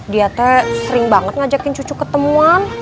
dia tuh sering banget ngajakin cucu ketemuan